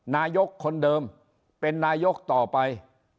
นายกคนเดิมเป็นนายกต่อไป